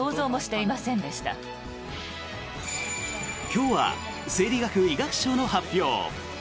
今日は生理学医学賞の発表。